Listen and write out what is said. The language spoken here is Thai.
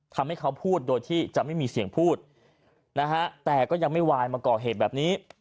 ทำให้เขาพูดโดยที่จะไม่มีเสียงพูดนะฮะแต่ก็ยังไม่วายมาก่อเหตุแบบนี้